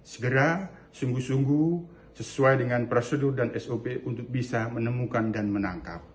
segera sungguh sungguh sesuai dengan prosedur dan sop untuk bisa menemukan dan menangkap